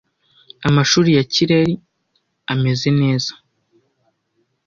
Amashuri ya kireri ameze neza